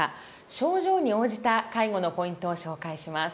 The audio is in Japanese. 症状に応じた介護のポイントを紹介します。